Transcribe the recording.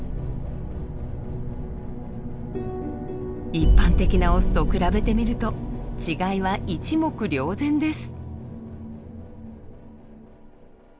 一般的なオスと比べてみると違いは一目瞭然です。